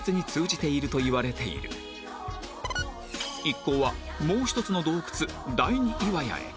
一行はもう１つの洞窟第二岩屋へ